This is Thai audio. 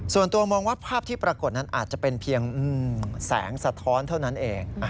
ส่วนตัวมองว่าภาพที่ปรากฏนั้นอาจจะเป็นเพียงแสงสะท้อนเท่านั้นเอง